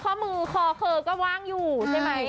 ข้อมูลข้อมือขอเผลอก็ว่างอยู่ใช่ไหม